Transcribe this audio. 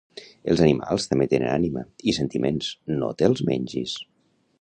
Els animals també tenen ànima i sentiments, no te'ls mengis